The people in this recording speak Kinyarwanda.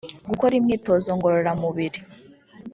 gukora imyitozo ngororamubiri